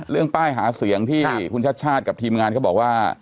ป้ายหาเสียงที่คุณชาติชาติกับทีมงานเขาบอกว่า